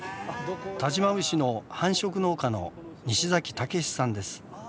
但馬牛の繁殖農家の西崎武志さんです。